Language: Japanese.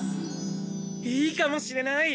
いいかもしれない！